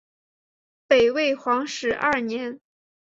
北魏皇始二年。